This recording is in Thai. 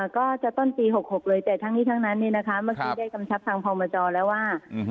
ก็จะต้นปี๖๖เลยแต่ทั้งนี้ทั้งนั้นเมื่อกี้ได้กำชับทางพมจอแล้วว่า